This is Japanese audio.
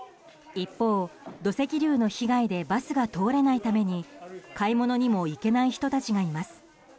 一方、土石流の被害でバスが通れないために買い物にも行けない人たちがいます。